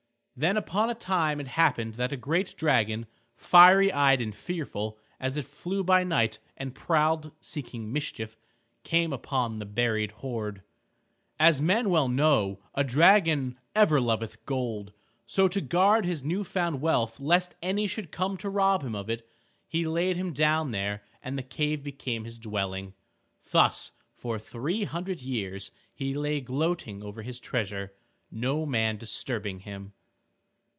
Then upon a time it happened that a great dragon, fiery eyed and fearful, as it flew by night and prowled seeking mischief, came upon the buried hoard. As men well know, a dragon ever loveth gold. So to guard his new found wealth lest any should come to rob him of it, he laid him down there and the cave became his dwelling. Thus for three hundred years he lay gloating over his treasure, no man disturbing him.